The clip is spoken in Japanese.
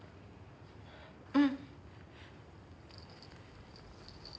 うん。